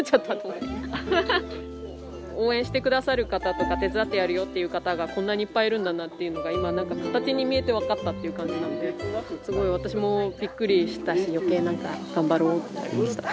応援してくださる方とか手伝ってやるよっていう方がこんなにいっぱいるんだなっていうのが今なんか形に見えて分かったっていう感じなんですごい私もびっくりしたし余計なんか頑張ろうってなりました。